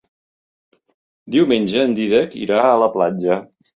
Diumenge en Dídac irà a la platja.